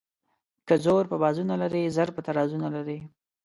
ـ که زور په بازو نه لري زر په ترازو نه لري.